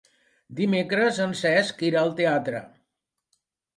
Dimecres en Cesc irà al teatre.